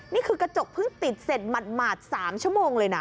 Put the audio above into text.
นี่คือกระจกเพิ่งติดเสร็จหมาด๓ชั่วโมงเลยนะ